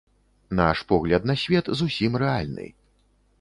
Наш погляд на свет зусім рэальны.